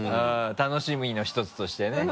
楽しみのひとつとしてね。